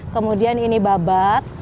kemudian ini babat